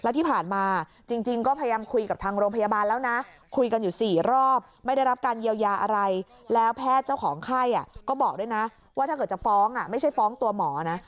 ว่าถ้าเกิดจะฟ้องไม่ใช่ฟ้องตัวหมอนะ